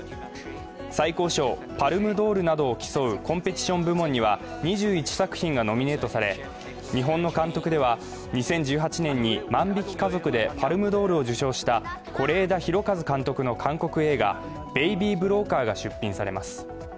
最高賞パルムドールなどを競うコンペティション部門には２１作品がノミネートされ、日本の監督では２０１８年に「万引き家族」でパルムドールを受賞した是枝裕和監督の韓国映画「ベイビー・ブローカー」が出品されます。